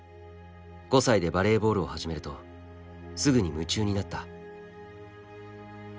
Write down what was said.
５歳でバレーボールを始めるとすぐに夢中になった。